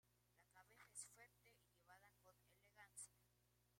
La cabeza es fuerte y llevada con elegancia.